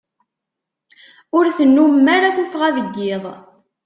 Ur tennumem ara tuffɣa deg iḍ.